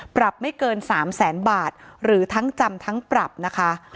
ปรับไม่เกิน๓แสนบาทหรือทั้งจำทั้งปรับนะคะ